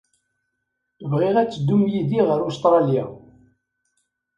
Bɣiɣ ad teddum yid-i ɣer Ustṛalya.